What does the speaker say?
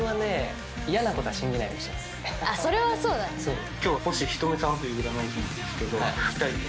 それはそうだね。